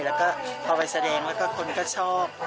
แล้วก็พอไปแสดงแล้วก็คนก็ชอบ